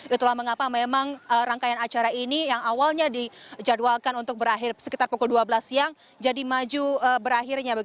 itulah mengapa memang rangkaian acara ini yang awalnya dijadwalkan untuk berakhir sekitar pukul dua belas siang jadi maju berakhirnya